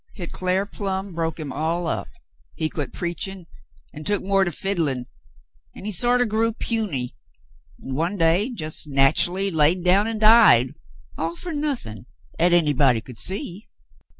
Hit cl'ar plumb broke him all up. He quit preachin' an' took more to fiddlin', an' he sorter grew puny, an' one day jes' natch'ly lay down an' died, all fer nothin', 'at anybody could see."